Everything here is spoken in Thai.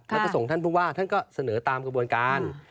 ที่รับประสงค์ท่านคุณว่าท่านก็เสนอตามกระบวนการ